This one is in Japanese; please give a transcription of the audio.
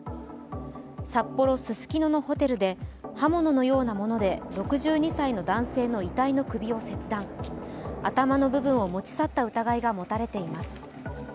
札幌・ススキノのホテルで刃物のようなもので６２歳の男性の遺体の首を切断、頭の部分を持ち去った疑いが持たれています。